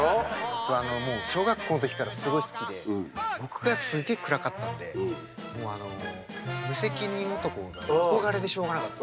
僕あの小学校の時からすごい好きで僕がすげえ暗かったんで無責任男が憧れでしょうがなかった。